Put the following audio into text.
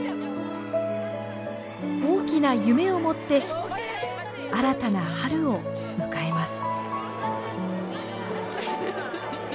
大きな夢を持って新たな春を迎えます。